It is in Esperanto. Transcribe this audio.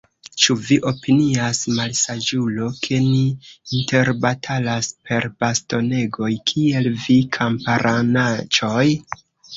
Ĉu vi opinias, malsaĝulo, ke ni interbatalas per bastonegoj, kiel vi, kamparanaĉoj?